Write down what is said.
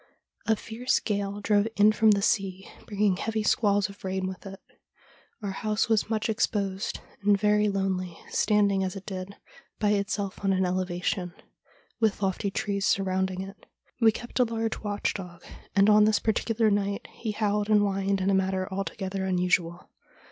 A fierce gale drove in from the sea, bringing heavy squalls of rain with it. Our house was much exposed and very lonely, standing, as it did, by itself on an elevation, with lofty trees surrounding it. We kept a large watch dog, and on this particular night he howled and whined in a manner alto gether unusual.